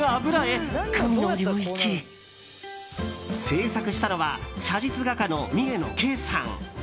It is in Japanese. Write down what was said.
制作したのは写実画家の三重野慶さん。